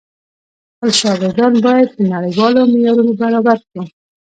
خپل شاګردان بايد په نړيوالو معيارونو برابر کړو.